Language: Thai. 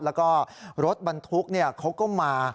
แล้วก็รถบรรทุกเขาก็มา